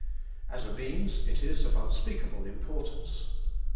As a means it is of unspeakable importance.